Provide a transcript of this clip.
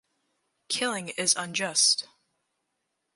Killing is unjust.